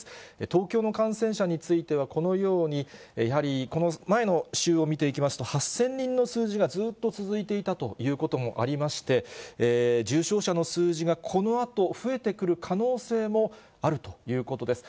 東京の感染者については、このように、やはりこの前の週を見ていきますと、８０００人の数字がずっと続いていたということもありまして、重症者の数字がこのあと増えてくる可能性もあるということです。